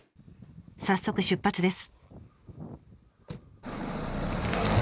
早速出発です。